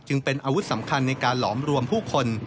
เป็นอาวุธสำคัญในการหลอมรวมผู้คน